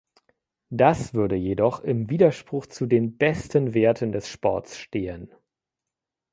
Das würde jedoch im Widerspruch zu den besten Werten des Sports stehen.